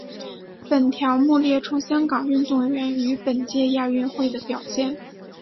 本条目列出香港运动员于本届亚运会的表现。